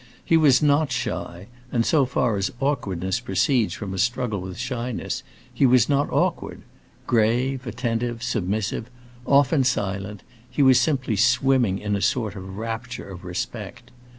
He was not shy, and so far as awkwardness proceeds from a struggle with shyness, he was not awkward; grave, attentive, submissive, often silent, he was simply swimming in a sort of rapture of respect.